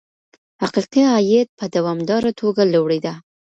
حقيقي عايد په دوامداره توګه لوړېده.